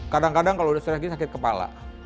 kadang kadang kalau sudah setelah ini sakit kepala